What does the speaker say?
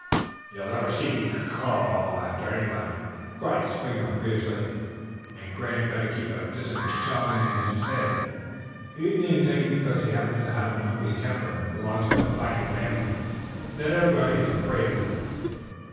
"You'll never see me cuc crawling after anybody!" cried Springer fiercely; "and Grant better keep a decent tut tongue in his head! He needn't think because he happens to have an ugly temper and belongs to a fighting family that everybody is afraid of him.